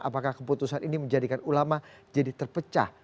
apakah keputusan ini menjadikan ulama jadi terpecah